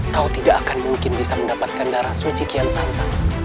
kau tidak akan mungkin bisa mendapatkan darah suci kian santan